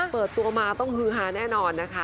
เปิดตัวมาต้องฮือฮาแน่นอนนะคะ